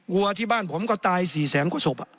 วัวที่บ้านผมก็ตาย๔แสนกว่าศพ